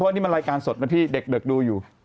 วันนี้มันรายการสดนะพี่เด็กดูอยู่